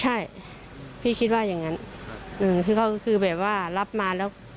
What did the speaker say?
ใช่พี่คิดว่าอย่างนั้นคือเขาคือแบบว่ารับมาแล้ว